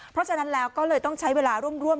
เพราะฉะนั้นแล้วก็เลยต้องใช้เวลาร่วม